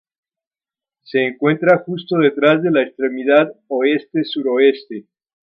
Se encuentra justo detrás de la extremidad oeste-suroeste.